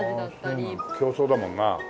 競争だもんな。